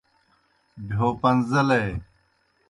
بہیو پن٘زیلے۔